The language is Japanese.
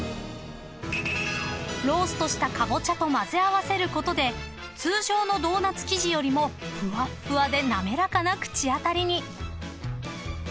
［ローストしたカボチャと混ぜ合わせることで通常のドーナツ生地よりもふわふわで滑らかな口当たりに］